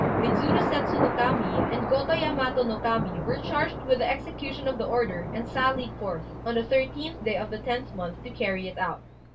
Midzuno Setsu no Kami and Gotô Yamato no Kami were charged with the execution of the order, and sallied forth, on the 13th day of the 10th month, to carry it out.